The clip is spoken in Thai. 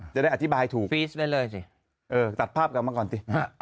จะได้อธิบายถูกฟีสได้เลยสิเออตัดภาพกลับมาก่อนสิ